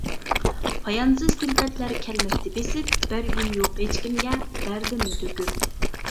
پايانسىز كۈلپەتلەر كەلمەكتە بېسىپ، بەرگۈم يوق ھېچكىمگە دەردىمنى تۆكۈپ.